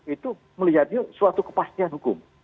itu melihatnya suatu kepastian hukum